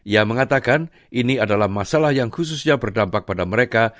ia mengatakan ini adalah masalah yang khususnya berdampak pada mereka